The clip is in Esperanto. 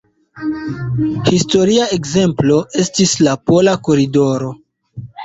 Historia ekzemplo estis la Pola koridoro,